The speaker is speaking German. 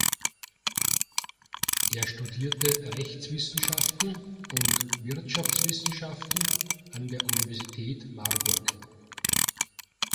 Er studierte Rechtswissenschaften und Wirtschaftswissenschaften an der Universität Marburg.